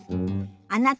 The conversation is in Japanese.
あなた